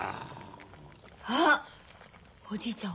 あっおじいちゃん